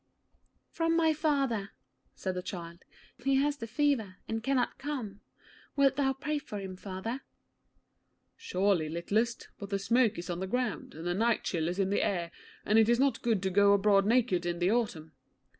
'From my father,' said the child. 'He has the fever, and cannot come. Wilt thou pray for him, father?' 'Surely, littlest; but the smoke is on the ground, and the night chill is in the air, and it is not good to go abroad naked in the autumn.'